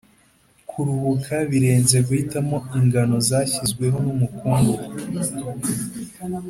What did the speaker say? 'kuruhuka birenze guhitamo ingano zashyizweho n'umukungugu,